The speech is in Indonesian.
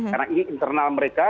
karena ini internal mereka